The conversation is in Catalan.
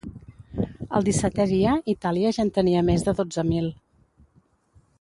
El dissetè dia, Itàlia ja en tenia més de dotze mil.